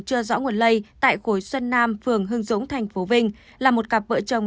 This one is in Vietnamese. chưa rõ nguồn lây tại cối xuân nam phường hưng dũng thành phố vinh là một cặp vợ chồng